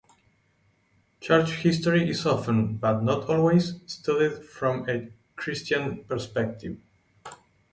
Church history is often, but not always, studied from a Christian perspective.